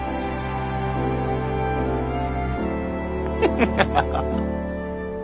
ハハハハ！